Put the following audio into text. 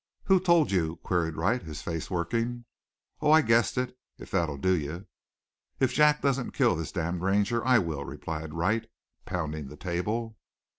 "Who told you?" queried Wright, his face working. "Oh, I guessed it, if that'll do you." "If Jack doesn't kill this damned Ranger I will," replied Wright, pounding the table.